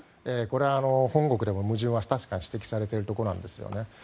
これは本国でも矛盾は確かに指摘されているところなんですよね。